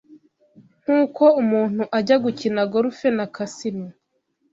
nk’uko umuntu ajya gukina Golf na casino